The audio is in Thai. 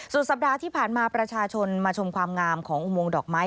สัปดาห์ที่ผ่านมาประชาชนมาชมความงามของอุโมงดอกไม้